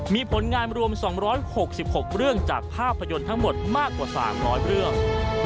มีผลงานรวม๒๖๖เรื่องจากภาพยนตร์ทั้งหมดมากกว่า๓๐๐เรื่อง